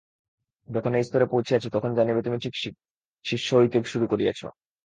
যখন এই স্তরে পৌঁছিয়াছ, তখন জানিবে তুমি ঠিক ঠিক শিষ্য হইতে শুরু করিয়াছ।